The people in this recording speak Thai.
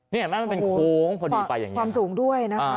นี่เห็นไหมมันเป็นโค้งพอดีไปอย่างนี้ความสูงด้วยนะคะ